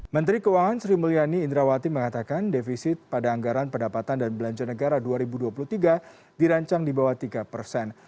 menteri keuangan sri mulyani indrawati mengatakan defisit pada anggaran pendapatan dan belanja negara dua ribu dua puluh tiga dirancang di bawah tiga persen